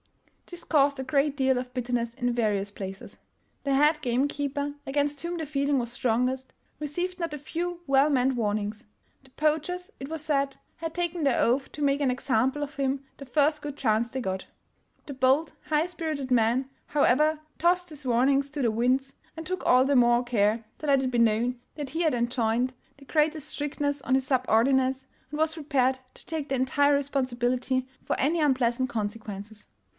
This caused a great deal of bitterness in various places. The head game keeper, against whom the feeling was strongest, received not a few well meant warnings. The poachers, it was said, had taken their oath to make an example of him the first good chance they got. The bold, high spirited man, how ever, tossed these warnings to the winds, and took all the more care to let it be known that he had enjoined the 422 THE GERMAN CLASSICS greatest strictness on his subordinates, and was prepared to take the entire responsibility for any unpleasant conse quences.